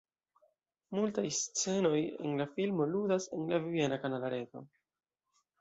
Multaj scenoj en la filmo ludas en la viena kanala reto.